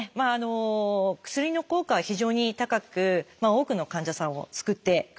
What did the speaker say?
薬の効果は非常に高く多くの患者さんを救ってくれている薬です。